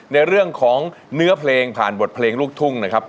ในเรื่องของเนื้อเพลงผ่านบทเพลงลูกทุ่งนะครับ